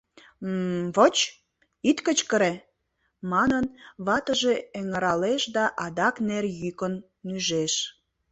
— М-м... воч, ит кычкыре!.. — манын, ватыже эҥыралеш да адак нер йӱкын нӱжеш.